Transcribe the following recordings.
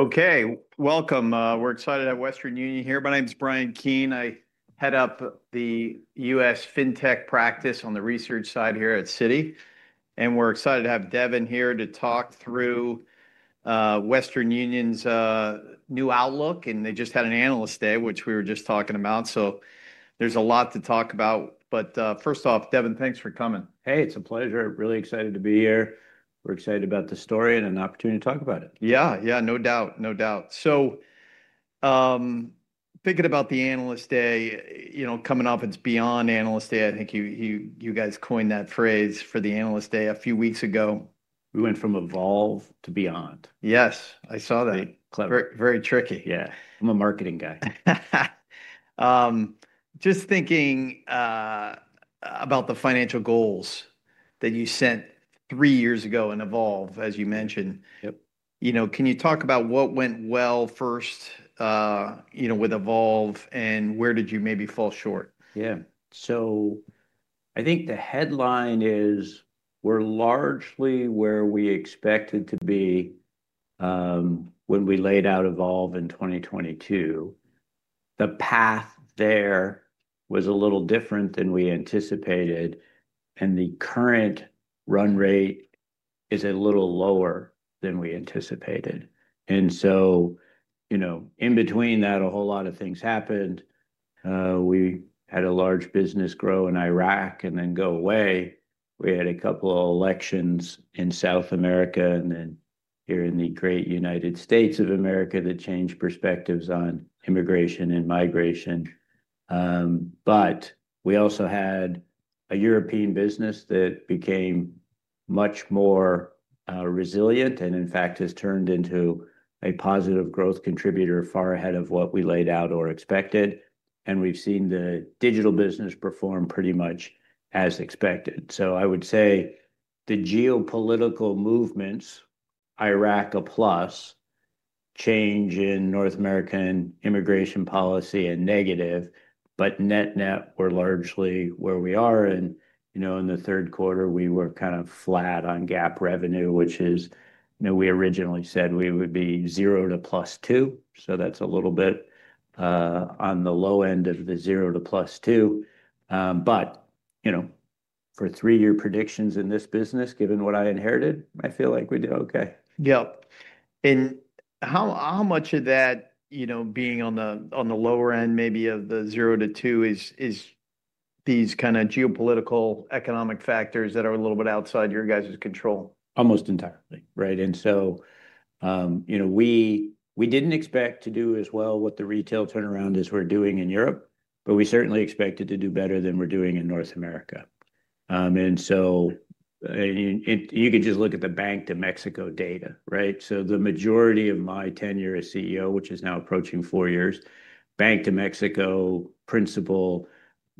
Okay, welcome. We're excited at Western Union here. My name's Bryan Keane. I Head up the U.S. FinTech practice on the research side here at Citi, and we're excited to have Devin here to talk through Western Union's new outlook. They just had an analyst day, which we were just talking about. There is a lot to talk about. First off, Devin, thanks for coming. Hey, it's a pleasure. Really excited to be here. We're excited about the story and an opportunity to talk about it. Yeah, yeah, no doubt. No doubt. Thinking about the analyst day, you know, coming up, it is Beyond analyst day. I think you guys coined that phrase for the analyst day a few weeks ago. We went from Evolve to Beyond. Yes, I saw that. Very tricky. Yeah, I'm a marketing guy. Just thinking about the financial goals that you set three years ago in Evolve, as you mentioned. Yep. You know, can you talk about what went well first, you know, with Evolve, and where did you maybe fall short? Yeah. I think the headline is we're largely where we expected to be when we laid out Evolve in 2022. The path there was a little different than we anticipated, and the current run rate is a little lower than we anticipated. You know, in between that, a whole lot of things happened. We had a large business grow in Iraq and then go away. We had a couple of elections in South America and then here in the great United States of America that changed perspectives on immigration and migration. We also had a European business that became much more resilient and, in fact, has turned into a positive growth contributor far ahead of what we laid out or expected. We've seen the digital business perform pretty much as expected. I would say the geopolitical movements, Iraq a plus, change in North American immigration policy a negative, but net-net we're largely where we are. You know, in the third quarter, we were kind of flat on GAAP revenue, which is, you know, we originally said we would be zero to +2. That is a little bit on the low end of the zero to +2. You know, for three-year predictions in this business, given what I inherited, I feel like we did okay. Yep. How much of that, you know, being on the lower end maybe of the zero to two is these kind of geopolitical, economic factors that are a little bit outside your guys' control? Almost entirely, right? You know, we did not expect to do as well with the retail turnaround as we are doing in Europe, but we certainly expected to do better than we are doing in North America. You could just look at the Bank to Mexico data, right? The majority of my tenure as CEO, which is now approaching four years, Bank to Mexico principal,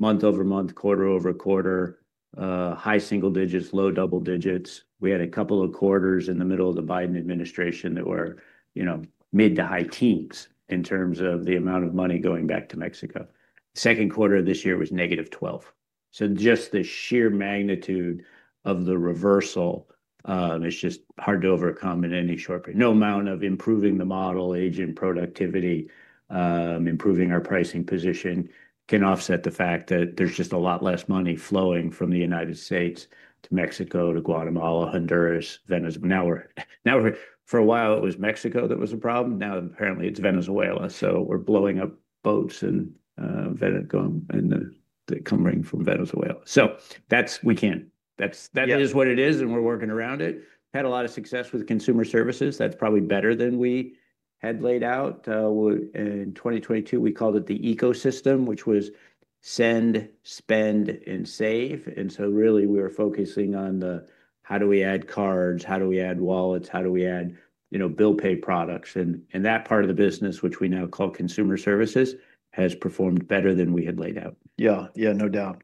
month over month, quarter over quarter, high single digits, low double digits. We had a couple of quarters in the middle of the Biden administration that were, you know, mid to high teens in terms of the amount of money going back to Mexico. Second quarter of this year was negative 12%. The sheer magnitude of the reversal is just hard to overcome in any short period. No amount of improving the model, agent productivity, improving our pricing position can offset the fact that there's just a lot less money flowing from the United States to Mexico to Guatemala, Honduras, Venezuela. For a while, it was Mexico that was a problem. Now, apparently, it's Venezuela. We're blowing up boats and they come ring from Venezuela. That is what it is, and we're working around it. Had a lot of success with consumer services. That's probably better than we had laid out. In 2022, we called it the ecosystem, which was send, spend, and save. We were focusing on the how do we add cards, how do we add wallets, how do we add, you know, bill pay products. That part of the business, which we now call consumer services, has performed better than we had laid out. Yeah, yeah, no doubt.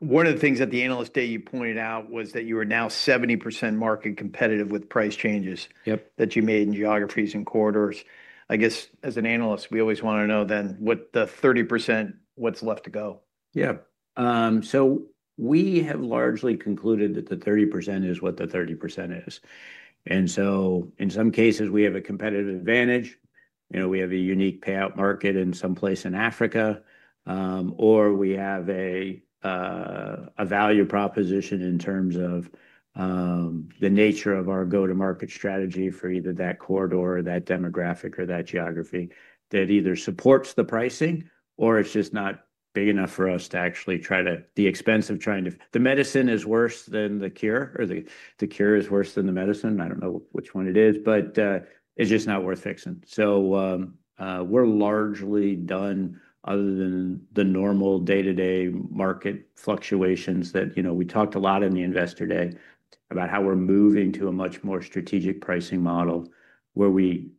One of the things at the analyst day you pointed out was that you were now 70% market competitive with price changes that you made in geographies and quarters. I guess as an analyst, we always want to know then what the 30%, what's left to go? Yeah. We have largely concluded that the 30% is what the 30% is. In some cases, we have a competitive advantage. You know, we have a unique payout market in some place in Africa, or we have a value proposition in terms of the nature of our go-to-market strategy for either that corridor, that demographic, or that geography that either supports the pricing or it is just not big enough for us to actually try to—the expense of trying to—the medicine is worse than the cure or the cure is worse than the medicine. I do not know which one it is, but it is just not worth fixing. We're largely done other than the normal day-to-day market fluctuations that, you know, we talked a lot in the Investor Day about how we're moving to a much more strategic pricing model where we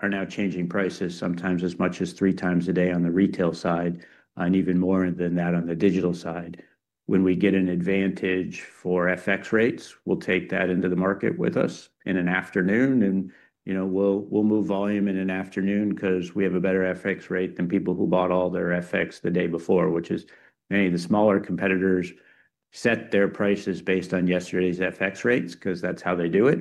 are now changing prices sometimes as much as 3x a day on the retail side and even more than that on the digital side. When we get an advantage for FX rates, we'll take that into the market with us in an afternoon. You know, we'll move volume in an afternoon because we have a better FX rate than people who bought all their FX the day before, which is many of the smaller competitors set their prices based on yesterday's FX rates because that's how they do it.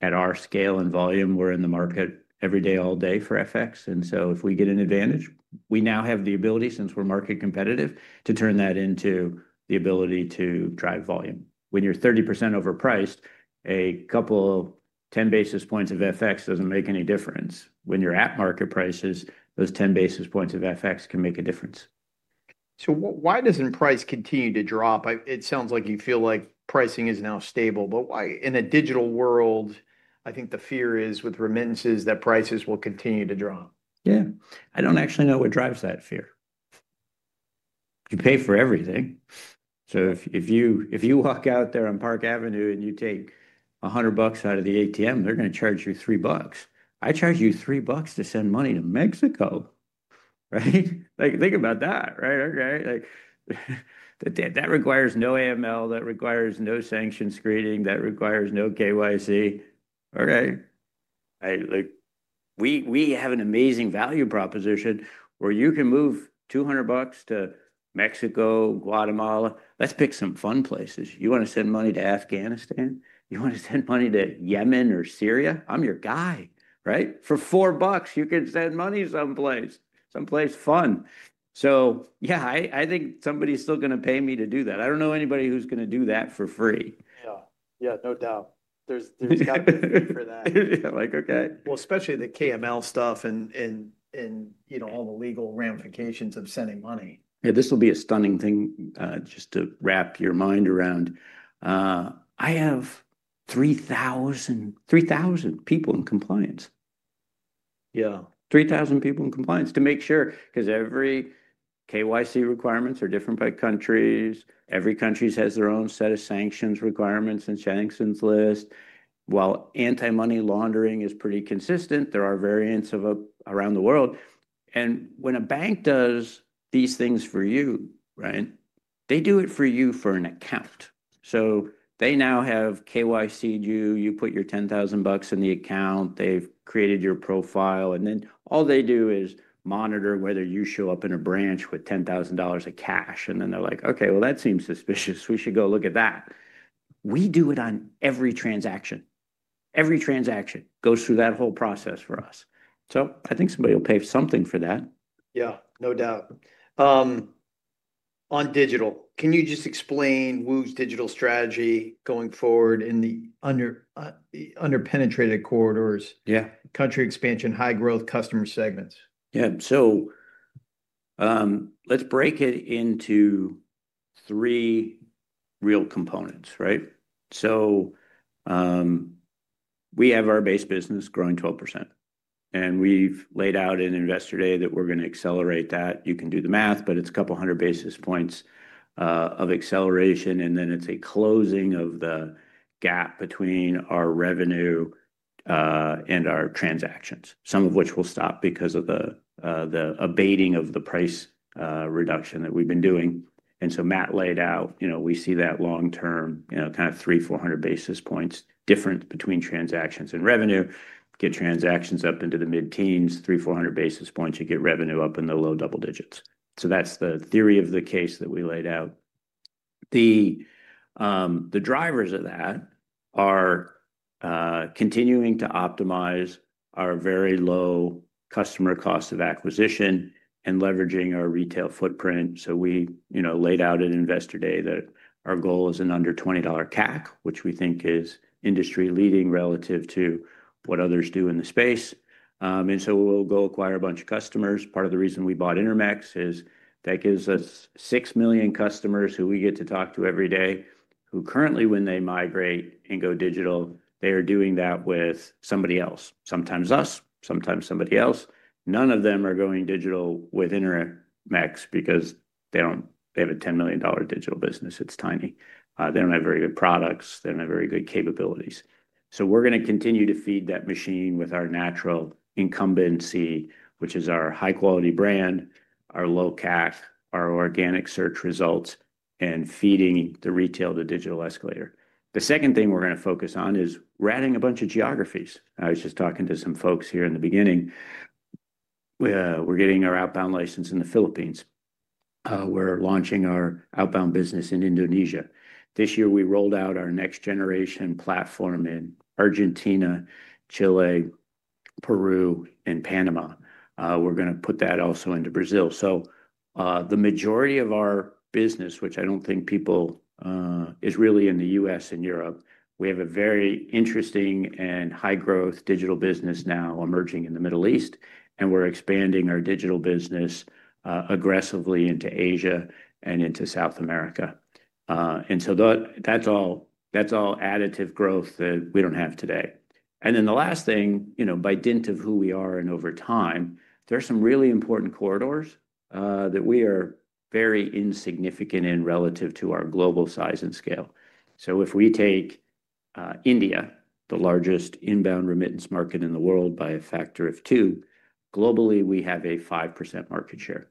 At our scale and volume, we're in the market every day, all day for FX. If we get an advantage, we now have the ability, since we're market competitive, to turn that into the ability to drive volume. When you're 30% overpriced, a couple of 10 basis points of FX doesn't make any difference. When you're at market prices, those 10 basis points of FX can make a difference. Why does not price continue to drop? It sounds like you feel like pricing is now stable. Why in a digital world, I think the fear is with remittances that prices will continue to drop? Yeah. I do not actually know what drives that fear. You pay for everything. If you walk out there on Park Avenue and you take $100 out of the ATM, they are going to charge you $3. I charge you $3 to send money to Mexico, right? Think about that, right? That requires no AML. That requires no sanctions screening. That requires no KYC. We have an amazing value proposition where you can move $200 to Mexico, Guatemala. Let us pick some fun places. You want to send money to Afghanistan? You want to send money to Yemen or Syria? I am your guy, right? For $4, you can send money someplace. Someplace fun. Yeah, I think somebody is still going to pay me to do that. I do not know anybody who is going to do that for free. Yeah, yeah, no doubt. There's got to be for that. Yeah, like, okay. Especially the AML stuff and, you know, all the legal ramifications of sending money. Yeah, this will be a stunning thing just to wrap your mind around. I have 3,000 people in compliance. Yeah. 3,000 people in compliance to make sure because every KYC requirements are different by countries. Every country has their own set of sanctions requirements and sanctions list. While anti-money laundering is pretty consistent, there are variants around the world. When a bank does these things for you, right, they do it for you for an account. They now have KYC'd you. You put your $10,000 in the account. They've created your profile. All they do is monitor whether you show up in a branch with $10,000 of cash. They are like, okay, that seems suspicious. We should go look at that. We do it on every transaction. Every transaction goes through that whole process for us. I think somebody will pay something for that. Yeah, no doubt. On digital, can you just explain WU's digital strategy going forward in the underpenetrated corridors? Yeah. Country expansion, high growth customer segments. Yeah. Let's break it into three real components, right? We have our base business growing 12%. We have laid out in investor day that we are going to accelerate that. You can do the math, but it is a couple hundred basis points of acceleration. It is a closing of the gap between our revenue and our transactions, some of which will stop because of the abating of the price reduction that we have been doing. Matt laid out, you know, we see that long term, you know, kind of 300-400 basis points difference between transactions and revenue. Get transactions up into the mid-teens, 300-400 basis points. You get revenue up in the low double digits. That is the theory of the case that we laid out. The drivers of that are continuing to optimize our very low customer cost of acquisition and leveraging our retail footprint. You know, we laid out at Investor Day that our goal is an under $20 CAC, which we think is industry leading relative to what others do in the space. We will go acquire a bunch of customers. Part of the reason we bought Intermex is that gives us 6 million customers who we get to talk to every day who currently, when they migrate and go digital, they are doing that with somebody else. Sometimes us, sometimes somebody else. None of them are going digital with Intermex because they do not have a $10 million digital business. It is tiny. They do not have very good products. They do not have very good capabilities. We're going to continue to feed that machine with our natural incumbency, which is our high-quality brand, our low CAC, our organic search results, and feeding the retail to digital escalator. The second thing we're going to focus on is ratting a bunch of geographies. I was just talking to some folks here in the beginning. We're getting our outbound license in the Philippines. We're launching our outbound business in Indonesia. This year, we rolled out our next generation platform in Argentina, Chile, Peru, and Panama. We're going to put that also into Brazil. The majority of our business, which I do not think people realize, is really in the U.S. and Europe. We have a very interesting and high-growth digital business now emerging in the Middle East. We're expanding our digital business aggressively into Asia and into South America. That's all additive growth that we don't have today. The last thing, you know, by dint of who we are and over time, there are some really important corridors that we are very insignificant in relative to our global size and scale. If we take India, the largest inbound remittance market in the world by a factor of two, globally, we have a 5% market share.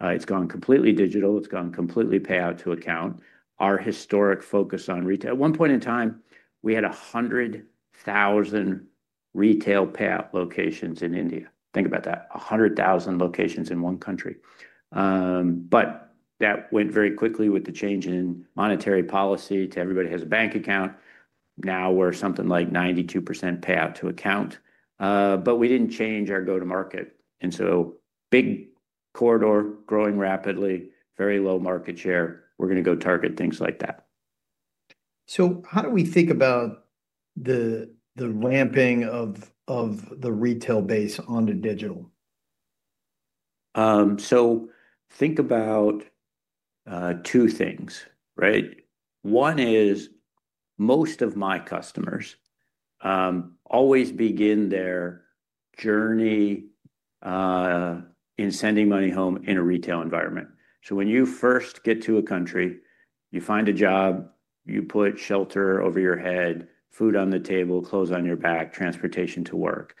It's gone completely digital. It's gone completely payout to account. Our historic focus on retail, at one point in time, we had 100,000 retail payout locations in India. Think about that. 100,000 locations in one country. That went very quickly with the change in monetary policy to everybody has a bank account. Now we're something like 92% payout to account. We didn't change our go-to-market. Big corridor growing rapidly, very low market share. We're going to go target things like that. How do we think about the ramping of the retail base onto digital? Think about two things, right? One is most of my customers always begin their journey in sending money home in a retail environment. When you first get to a country, you find a job, you put shelter over your head, food on the table, clothes on your back, transportation to work.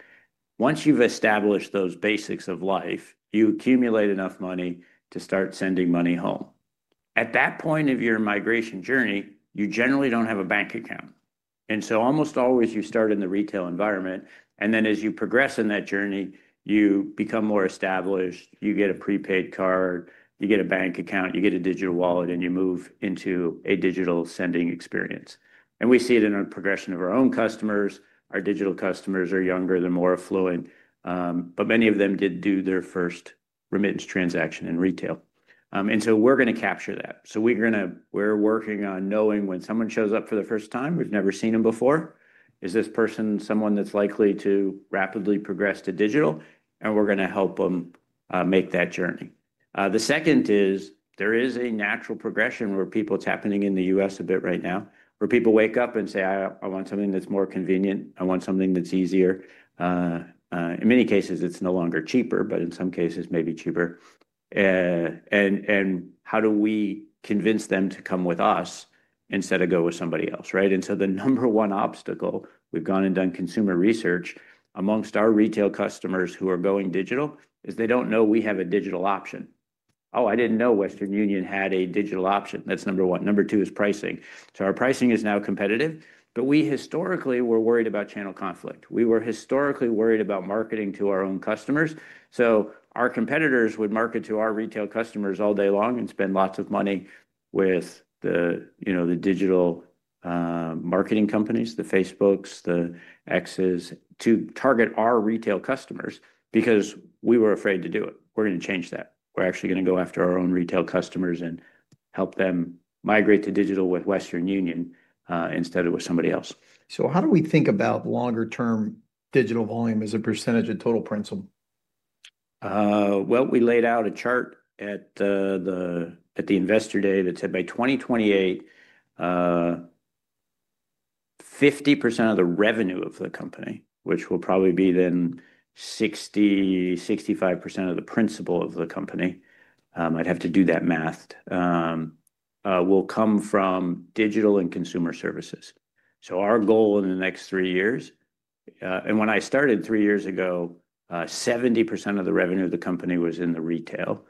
Once you have established those basics of life, you accumulate enough money to start sending money home. At that point of your migration journey, you generally do not have a bank account. Almost always you start in the retail environment. As you progress in that journey, you become more established. You get a prepaid card. You get a bank account. You get a digital wallet, and you move into a digital sending experience. We see it in our progression of our own customers. Our digital customers are younger. They are more affluent. Many of them did do their first remittance transaction in retail. We are going to capture that. We are working on knowing when someone shows up for the first time, we have never seen them before. Is this person someone that is likely to rapidly progress to digital? We are going to help them make that journey. The second is there is a natural progression where people are tapping in the U.S. a bit right now, where people wake up and say, "I want something that is more convenient. I want something that is easier." In many cases, it is no longer cheaper, but in some cases, maybe cheaper. How do we convince them to come with us instead of go with somebody else, right? The number one obstacle, we've gone and done consumer research amongst our retail customers who are going digital is they do not know we have a digital option. Oh, I did not know Western Union had a digital option. That is number one. Number two is pricing. Our pricing is now competitive. We historically were worried about channel conflict. We were historically worried about marketing to our own customers. Our competitors would market to our retail customers all day long and spend lots of money with the, you know, the digital marketing companies, the Facebooks, the Xs to target our retail customers because we were afraid to do it. We are going to change that. We are actually going to go after our own retail customers and help them migrate to digital with Western Union instead of with somebody else. How do we think about longer-term digital volume as a percentage of total principal? We laid out a chart at the Investor Day that said by 2028, 50% of the revenue of the company, which will probably be then 60%-65% of the principal of the company. I'd have to do that math. Will come from digital and consumer services. Our goal in the next three years, and when I started three years ago, 70% of the revenue of the company was in the retail.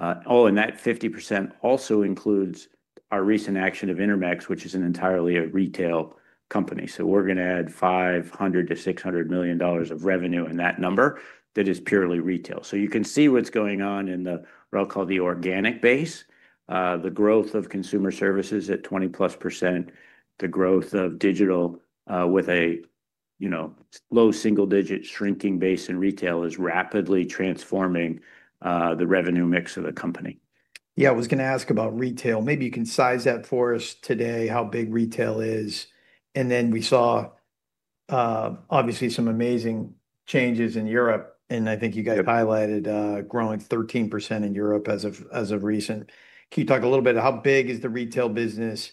Oh, and that 50% also includes our recent action of Intermex, which is entirely a retail company. We are going to add $500 million-$600 million of revenue in that number that is purely retail. You can see what's going on in the what I'll call the organic base. The growth of consumer services at +20%, the growth of digital with a, you know, low single-digit shrinking base in retail is rapidly transforming the revenue mix of the company. Yeah, I was going to ask about retail. Maybe you can size that for us today, how big retail is. We saw obviously some amazing changes in Europe. I think you guys highlighted growing 13% in Europe as of recent. Can you talk a little bit about how big is the retail business?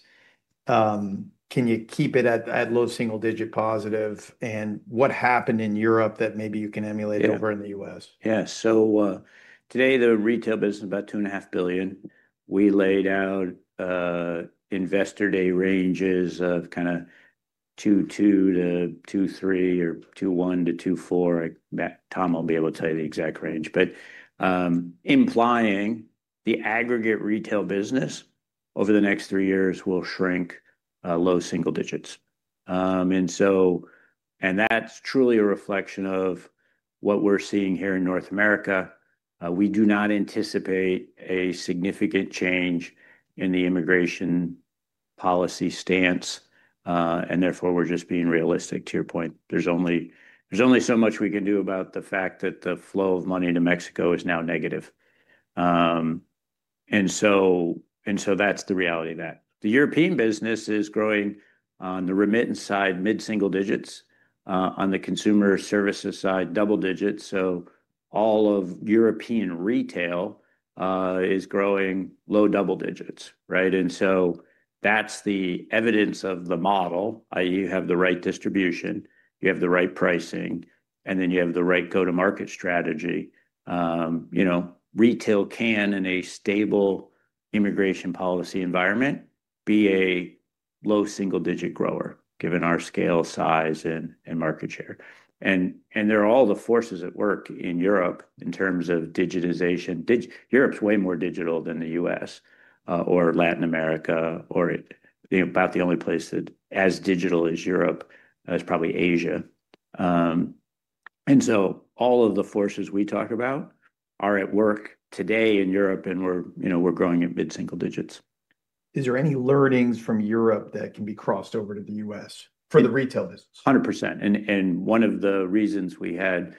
Can you keep it at low single-digit positive? What happened in Europe that maybe you can emulate over in the U.S.? Yeah. Today, the retail business is about $2.5 billion. We laid out Investor Day ranges of kind of $2.2 billion-$2.3 billion or $2.1 billion-$2.4 billion. Tom will be able to tell you the exact range. Implying the aggregate retail business over the next three years will shrink low single digits. That is truly a reflection of what we are seeing here in North America. We do not anticipate a significant change in the immigration policy stance. Therefore, we are just being realistic to your point. There is only so much we can do about the fact that the flow of money to Mexico is now negative. That is the reality of that. The European business is growing on the remittance side, mid-single digits. On the consumer services side, double digits. All of European retail is growing low double digits, right? That is the evidence of the model. You have the right distribution. You have the right pricing. You have the right go-to-market strategy. You know, retail can in a stable immigration policy environment be a low single-digit grower given our scale, size, and market share. There are all the forces at work in Europe in terms of digitization. Europe's way more digital than the U.S. or Latin America, or about the only place that is as digital as Europe is probably Asia. All of the forces we talk about are at work today in Europe. We are growing at mid-single digits. Is there any learnings from Europe that can be crossed over to the U.S. for the retail business? 100%. One of the reasons we had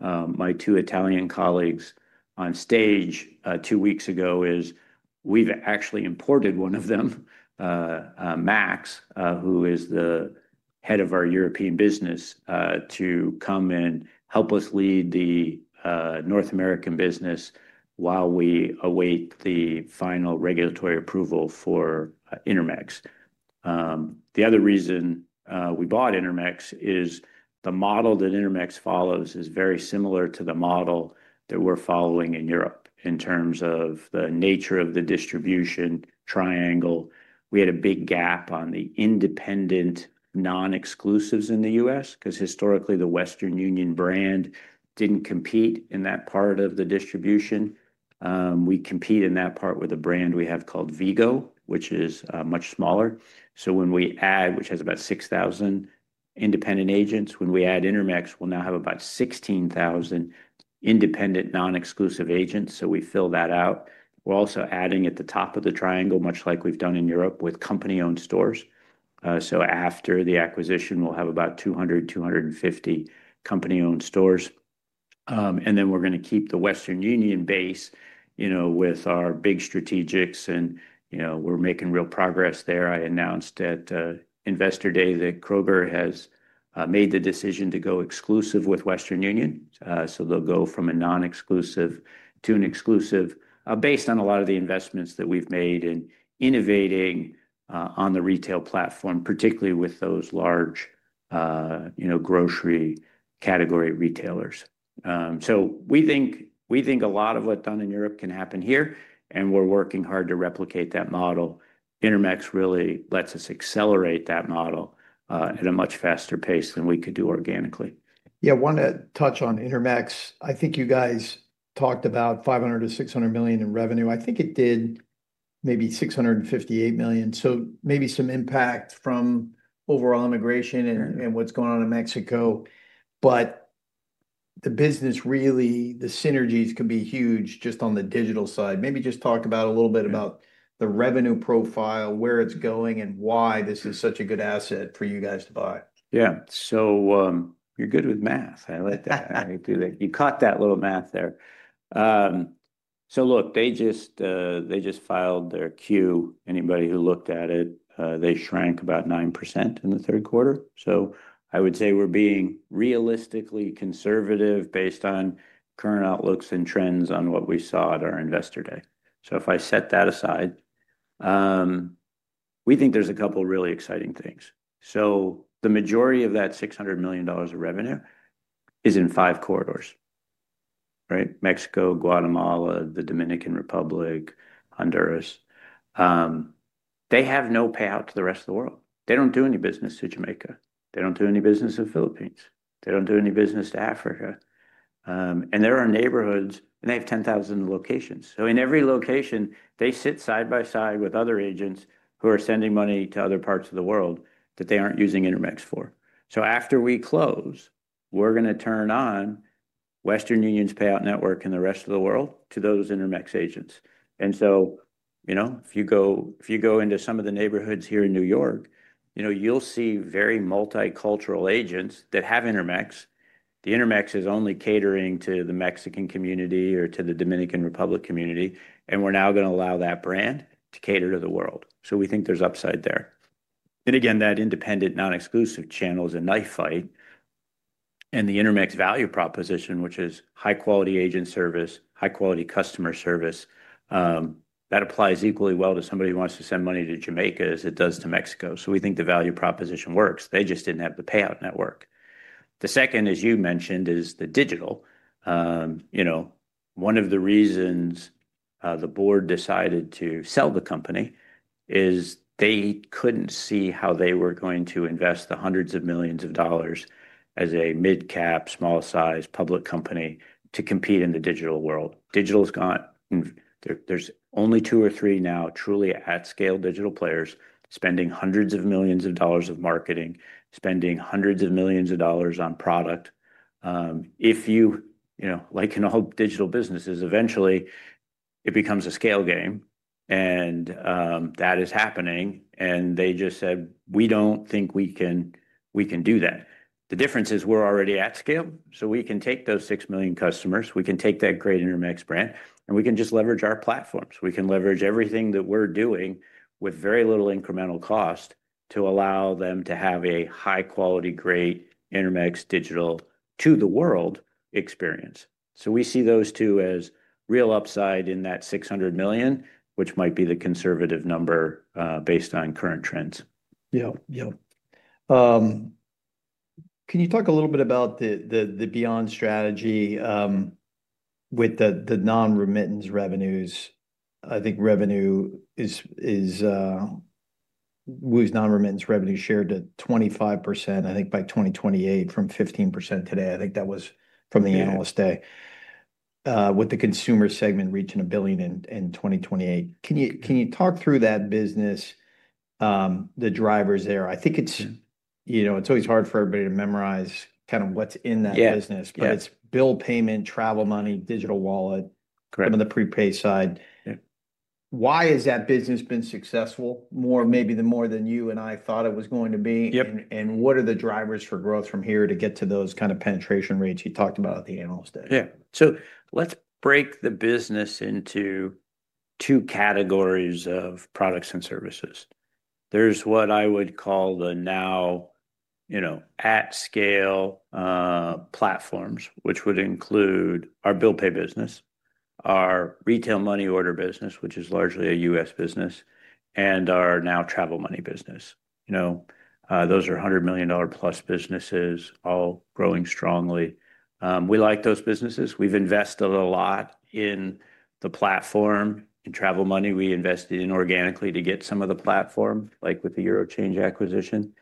my two Italian colleagues on stage two weeks ago is we have actually imported one of them, Max, who is the head of our European business, to come and help us lead the North American business while we await the final regulatory approval for Intermex. The other reason we bought Intermex is the model that Intermex follows is very similar to the model that we are following in Europe in terms of the nature of the distribution triangle. We had a big gap on the independent non-exclusives in the U.S. because historically the Western Union brand did not compete in that part of the distribution. We compete in that part with a brand we have called Vigo, which is much smaller. When we add, which has about 6,000 independent agents, when we add Intermex, we will now have about 16,000 independent non-exclusive agents. We fill that out. We're also adding at the top of the triangle, much like we've done in Europe with company-owned stores. After the acquisition, we'll have about 200-250 company-owned stores. We're going to keep the Western Union base, you know, with our big strategics. We're making real progress there. I announced at Investor Day that Kroger has made the decision to go exclusive with Western Union. They'll go from a non-exclusive to an exclusive based on a lot of the investments that we've made in innovating on the retail platform, particularly with those large, you know, grocery category retailers. We think a lot of what's done in Europe can happen here. We're working hard to replicate that model. Intermex really lets us accelerate that model at a much faster pace than we could do organically. Yeah, I want to touch on Intermex. I think you guys talked about $500 million-$600 million in revenue. I think it did maybe $658 million. Maybe some impact from overall immigration and what's going on in Mexico. The business really, the synergies can be huge just on the digital side. Maybe just talk a little bit about the revenue profile, where it's going, and why this is such a good asset for you guys to buy. Yeah. So you're good with math. I like that. You caught that little math there. Look, they just filed their Q. Anybody who looked at it, they shrank about 9% in the third quarter. I would say we're being realistically conservative based on current outlooks and trends on what we saw at our investor day. If I set that aside, we think there's a couple of really exciting things. The majority of that $600 million of revenue is in five corridors, right? Mexico, Guatemala, the Dominican Republic, Honduras. They have no payout to the rest of the world. They don't do any business to Jamaica. They don't do any business to the Philippines. They don't do any business to Africa. There are neighborhoods, and they have 10,000 locations. In every location, they sit side by side with other agents who are sending money to other parts of the world that they are not using Intermex for. After we close, we are going to turn on Western Union's payout network in the rest of the world to those Intermex agents. You know, if you go into some of the neighborhoods here in New York, you know, you will see very multicultural agents that have Intermex. The Intermex is only catering to the Mexican community or to the Dominican Republic community. We are now going to allow that brand to cater to the world. We think there is upside there. Again, that independent non-exclusive channel is a knife fight. The Intermex value proposition, which is high-quality agent service, high-quality customer service, that applies equally well to somebody who wants to send money to Jamaica as it does to Mexico. We think the value proposition works. They just did not have the payout network. The second, as you mentioned, is the digital. You know, one of the reasons the board decided to sell the company is they could not see how they were going to invest the hundreds of millions of dollars as a mid-cap, small-sized public company to compete in the digital world. Digital's gone. There are only two or three now truly at-scale digital players spending hundreds of millions of dollars of marketing, spending hundreds of millions of dollars on product. If you, you know, like in all digital businesses, eventually it becomes a scale game. That is happening. They just said, "We don't think we can do that." The difference is we're already at scale. We can take those 6 million customers. We can take that great Intermex brand. We can just leverage our platforms. We can leverage everything that we're doing with very little incremental cost to allow them to have a high-quality, great Intermex digital to the world experience. We see those two as real upside in that $600 million, which might be the conservative number based on current trends. Yeah. Can you talk a little bit about the Beyond strategy with the non-remittance revenues? I think revenue was non-remittance revenue shared at 25% by 2028 from 15% today. I think that was from the analyst day with the consumer segment reaching $1 billion in 2028. Can you talk through that business, the drivers there? I think it's, you know, it's always hard for everybody to memorize kind of what's in that business. But it's bill payment, travel money, digital wallet, some of the prepay side. Why has that business been successful, maybe more than you and I thought it was going to be? What are the drivers for growth from here to get to those kind of penetration rates you talked about at the Analyst Day? Yeah. Let's break the business into two categories of products and services. There's what I would call the now, you know, at-scale platforms, which would include our bill pay business, our retail money order business, which is largely a U.S. business, and our now travel money business. You know, those are $100 million plus businesses, all growing strongly. We like those businesses. We've invested a lot in the platform. In travel money, we invested in organically to get some of the platform, like with the Eurochange acquisition.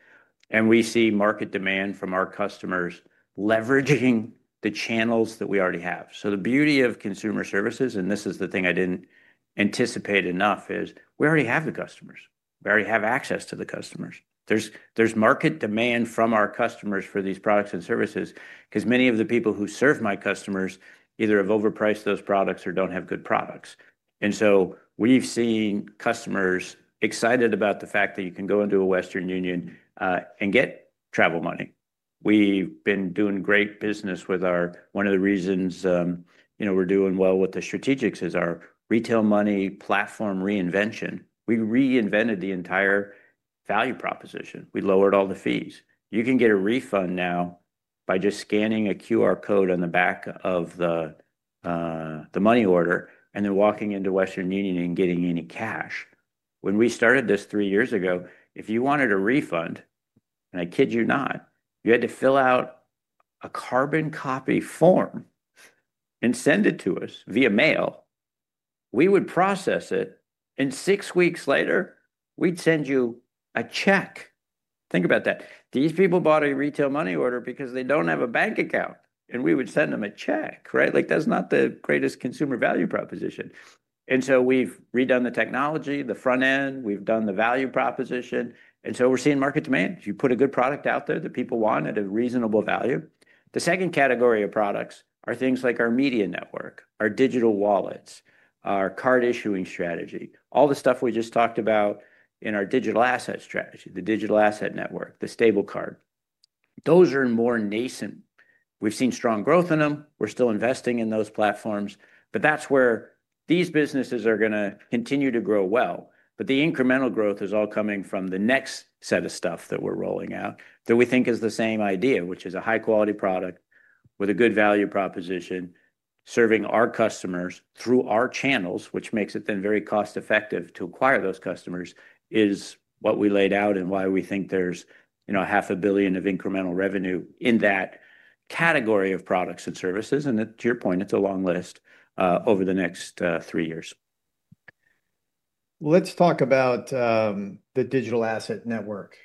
We see market demand from our customers leveraging the channels that we already have. The beauty of consumer services, and this is the thing I didn't anticipate enough, is we already have the customers. We already have access to the customers. There's market demand from our customers for these products and services because many of the people who serve my customers either have overpriced those products or do not have good products. We have seen customers excited about the fact that you can go into a Western Union and get travel money. We have been doing great business with our—one of the reasons, you know, we are doing well with the strategics is our retail money platform reinvention. We reinvented the entire value proposition. We lowered all the fees. You can get a refund now by just scanning a QR code on the back of the money order and then walking into Western Union and getting any cash. When we started this three years ago, if you wanted a refund, and I kid you not, you had to fill out a carbon copy form and send it to us via mail. We would process it. Six weeks later, we'd send you a check. Think about that. These people bought a retail money order because they don't have a bank account. We would send them a check, right? Like, that's not the greatest consumer value proposition. We've redone the technology, the front end. We've done the value proposition. We're seeing market demand. You put a good product out there that people want at a reasonable value. The second category of products are things like our media network, our digital wallets, our card issuing strategy, all the stuff we just talked about in our digital asset strategy, the digital asset network, the stable card. Those are more nascent. We've seen strong growth in them. We're still investing in those platforms. That's where these businesses are going to continue to grow well. The incremental growth is all coming from the next set of stuff that we're rolling out that we think is the same idea, which is a high-quality product with a good value proposition serving our customers through our channels, which makes it then very cost-effective to acquire those customers. It is what we laid out and why we think there's, you know, $0.5 billion of incremental revenue in that category of products and services. To your point, it's a long list over the next three years. Let's talk about the digital asset network,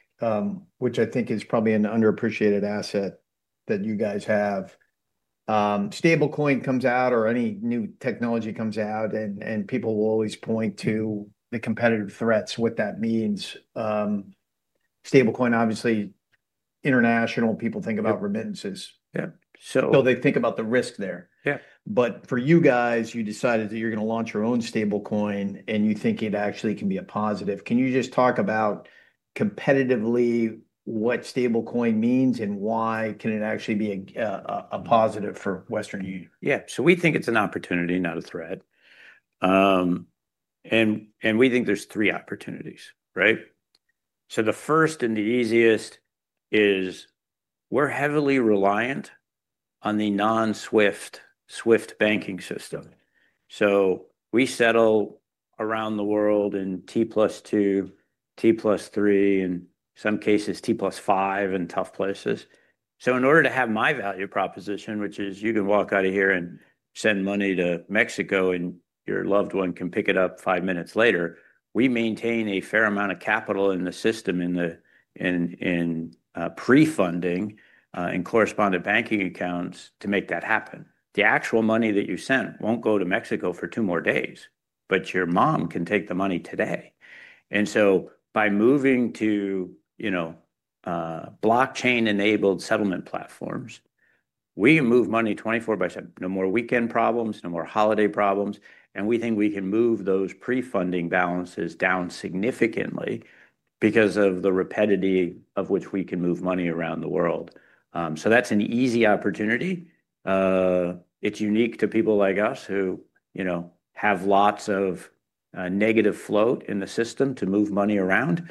which I think is probably an underappreciated asset that you guys have. Stablecoin comes out or any new technology comes out, and people will always point to the competitive threats, what that means. Stablecoin, obviously, international, people think about remittances. Yeah. They think about the risk there. Yeah. For you guys, you decided that you're going to launch your own stablecoin, and you think it actually can be a positive. Can you just talk about competitively what stablecoin means and why can it actually be a positive for Western Union? Yeah. We think it's an opportunity, not a threat. We think there's three opportunities, right? The first and the easiest is we're heavily reliant on the non-SWIFT, SWIFT banking system. We settle around the world in T+2, T+3, and in some cases, T+5 in tough places. In order to have my value proposition, which is you can walk out of here and send money to Mexico, and your loved one can pick it up five minutes later, we maintain a fair amount of capital in the system in pre-funding and correspondent banking accounts to make that happen. The actual money that you send won't go to Mexico for two more days, but your mom can take the money today. By moving to, you know, blockchain-enabled settlement platforms, we move money 24/7. No more weekend problems, no more holiday problems. We think we can move those pre-funding balances down significantly because of the rapidity of which we can move money around the world. That is an easy opportunity. It is unique to people like us who, you know, have lots of negative float in the system to move money around.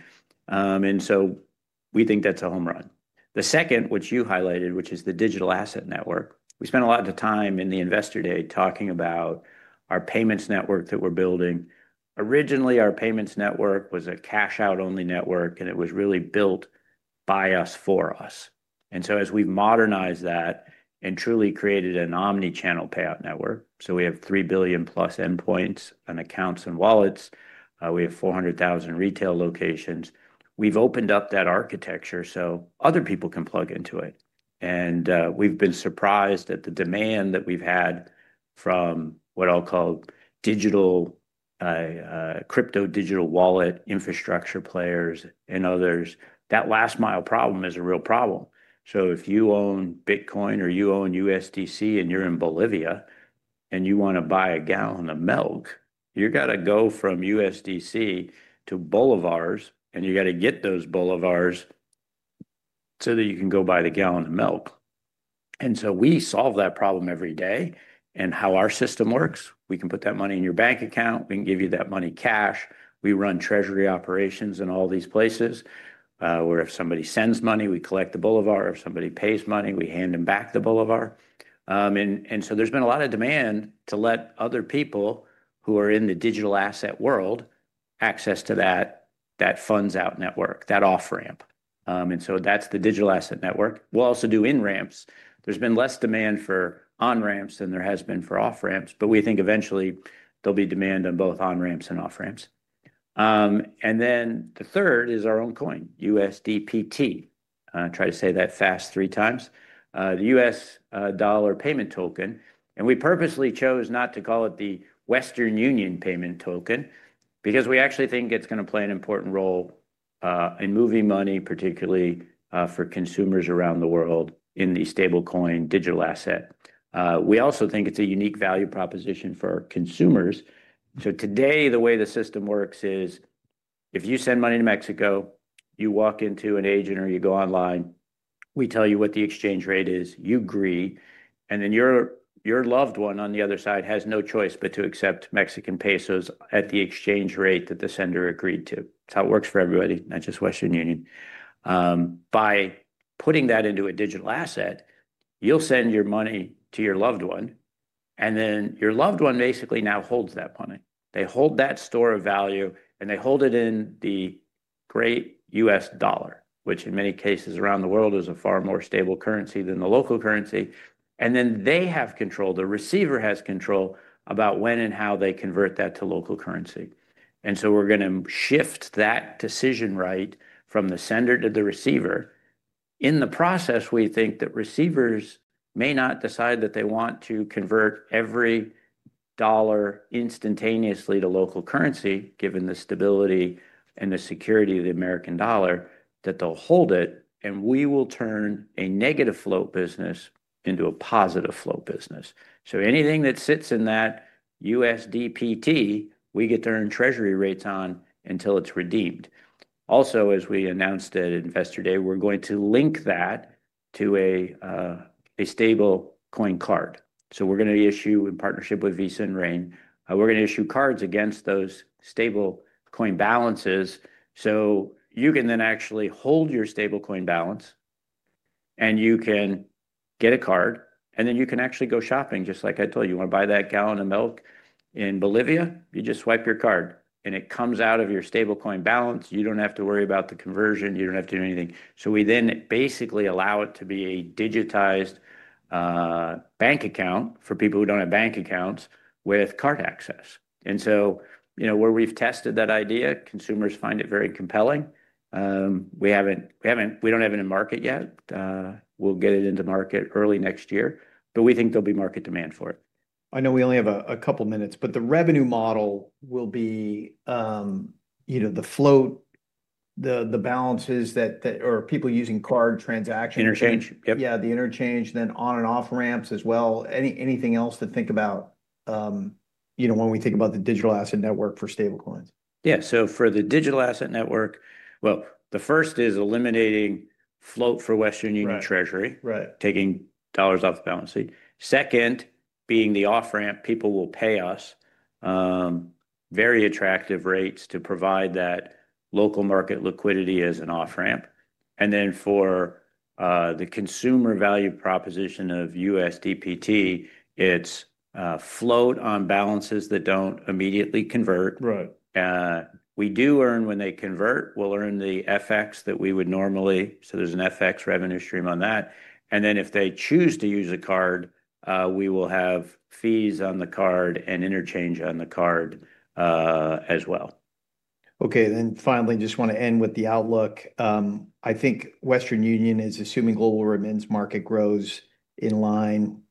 We think that is a home run. The second, which you highlighted, is the digital asset network. We spent a lot of time in the investor day talking about our payments network that we are building. Originally, our payments network was a cash-out-only network, and it was really built by us for us. As we have modernized that and truly created an omnichannel payout network, we have +3 billion endpoints and accounts and wallets. We have 400,000 retail locations. We've opened up that architecture so other people can plug into it. We've been surprised at the demand that we've had from what I'll call digital crypto digital wallet infrastructure players and others. That last mile problem is a real problem. If you own Bitcoin or you own USDC and you're in Bolivia and you want to buy a gallon of milk, you're going to go from USDC to bolivianos, and you're going to get those bolivianos so that you can go buy the gallon of milk. We solve that problem every day. How our system works, we can put that money in your bank account. We can give you that money cash. We run treasury operations in all these places where if somebody sends money, we collect the boliviano. If somebody pays money, we hand them back the boliviano. There has been a lot of demand to let other people who are in the digital asset world access that funds-out network, that off-ramp. That is the digital asset network. We will also do in-ramps. There has been less demand for on-ramps than there has been for off-ramps, but we think eventually there will be demand on both on-ramps and off-ramps. The third is our own coin, USDPT. I try to say that fast three times. The U.S. dollar payment token. We purposely chose not to call it the Western Union payment token because we actually think it is going to play an important role in moving money, particularly for consumers around the world in the stablecoin digital asset. We also think it is a unique value proposition for consumers. Today, the way the system works is if you send money to Mexico, you walk into an agent or you go online, we tell you what the exchange rate is, you agree, and then your loved one on the other side has no choice but to accept Mexican pesos at the exchange rate that the sender agreed to. It is how it works for everybody, not just Western Union. By putting that into a digital asset, you will send your money to your loved one, and then your loved one basically now holds that money. They hold that store of value, and they hold it in the great U.S. dollar, which in many cases around the world is a far more stable currency than the local currency. They have control. The receiver has control about when and how they convert that to local currency. We are going to shift that decision right from the sender to the receiver. In the process, we think that receivers may not decide that they want to convert every dollar instantaneously to local currency, given the stability and the security of the American dollar, that they will hold it, and we will turn a negative float business into a positive float business. Anything that sits in that USDPT, we get to earn treasury rates on until it is redeemed. Also, as we announced at Investor Day, we are going to link that to a stablecoin card. We are going to issue, in partnership with Visa and Rain, cards against those stablecoin balances. You can then actually hold your stablecoin balance, and you can get a card, and then you can actually go shopping. Just like I told you, you want to buy that gallon of milk in Bolivia, you just swipe your card, and it comes out of your stablecoin balance. You do not have to worry about the conversion. You do not have to do anything. We then basically allow it to be a digitized bank account for people who do not have bank accounts with card access. And, you know, where we have tested that idea, consumers find it very compelling. We have not—we do not have it in market yet. We will get it into market early next year, but we think there will be market demand for it. I know we only have a couple of minutes, but the revenue model will be, you know, the float, the balances that are people using card transactions Interchange. Yep. Yeah, the interchange, then on and off-ramps as well. Anything else to think about, you know, when we think about the digital asset network for stablecoins? Yeah. For the digital asset network, the first is eliminating float for Western Union Treasury, taking dollars off the balance sheet. Second, being the off-ramp, people will pay us very attractive rates to provide that local market liquidity as an off-ramp. For the consumer value proposition of USDPT, it is float on balances that do not immediately convert. We do earn when they convert. We will earn the FX that we would normally. There is an FX revenue stream on that. If they choose to use a card, we will have fees on the card and interchange on the card as well. Okay. Finally, just want to end with the outlook. I think Western Union is assuming global remittance market grows in line,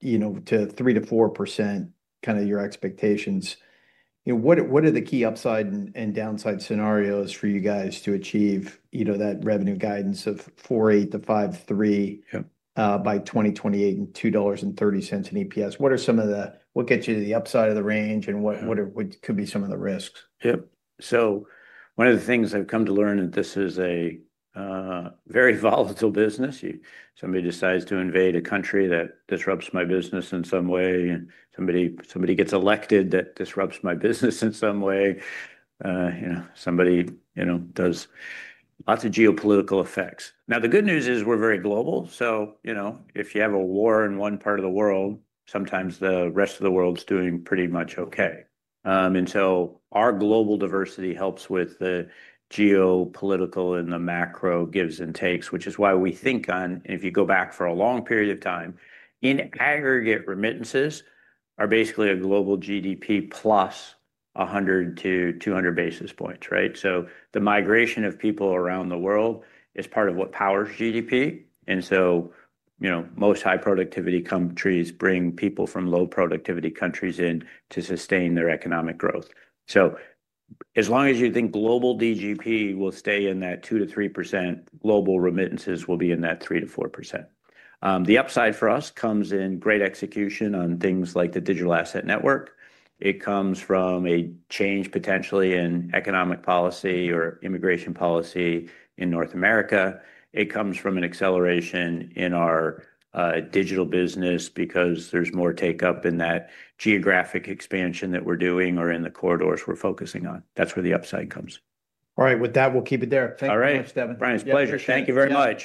you know, to 3%-4%, kind of your expectations. You know, what are the key upside and downside scenarios for you guys to achieve, you know, that revenue guidance of $4.8 billion-$5.3 billion by 2028 and $2.30 in EPS? What are some of the—what gets you to the upside of the range and what could be some of the risks? Yep. One of the things I've come to learn is this is a very volatile business. Somebody decides to invade a country, that disrupts my business in some way. Somebody gets elected, that disrupts my business in some way. You know, somebody, you know, does lots of geopolitical effects. The good news is we're very global. You know, if you have a war in one part of the world, sometimes the rest of the world's doing pretty much okay. Our global diversity helps with the geopolitical and the macro gives and takes, which is why we think on, if you go back for a long period of time, in aggregate, remittances are basically a global GDP plus 100-200 basis points, right? The migration of people around the world is part of what powers GDP. You know, most high productivity countries bring people from low productivity countries in to sustain their economic growth. As long as you think global GDP will stay in that 2-3%, global remittances will be in that 3-4%. The upside for us comes in great execution on things like the digital asset network. It comes from a change potentially in economic policy or immigration policy in North America. It comes from an acceleration in our digital business because there's more take-up in that geographic expansion that we're doing or in the corridors we're focusing on. That's where the upside comes. All right. With that, we'll keep it there. All right. Thank you so much, Devin. All right. Bryan, it's a pleasure. Thank you very much.